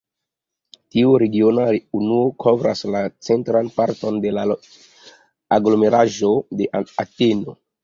Tiu regiona unuo kovras la centran parton de la aglomeraĵo de Ateno.